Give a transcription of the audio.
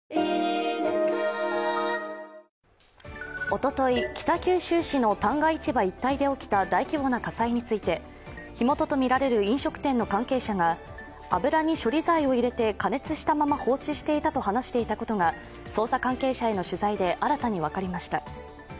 おととい、北九州市の旦過市場一帯で起きた大規模な火災について、火元とみられる飲食店の関係者が油に処理剤を入れて加熱したまま放置していたと話していたことが捜査関係者への取材で新たに分かりました。